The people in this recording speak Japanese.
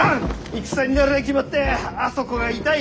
戦になりゃあ決まってあそこが痛い